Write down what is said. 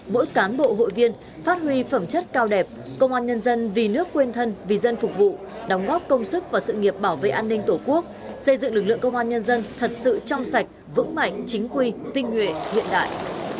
mỗi cán bộ hội viên phát huy phẩm chất cao đẹp công an nhân dân vì nước quên thân vì dân phục vụ đóng góp công sức và sự nghiệp bảo vệ an ninh tổ quốc xây dựng lực lượng công an nhân dân thật sự trong sạch vững mạnh chính quy tinh nguyện hiện đại